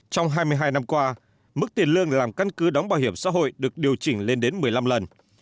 trong hai mươi hai năm qua mức tiền lương làm căn cứ đóng bảo hiểm xã hội được điều chỉnh lên đến một mươi năm lần